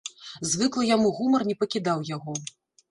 Звыклы яму гумар не пакідаў яго.